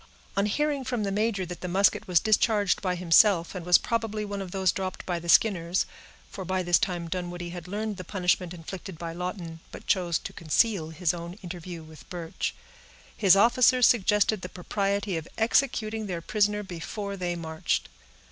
On hearing from the major that the musket was discharged by himself, and was probably one of those dropped by the Skinners (for by this time Dunwoodie had learned the punishment inflicted by Lawton, but chose to conceal his own interview with Birch), his officers suggested the propriety of executing their prisoner before they marched.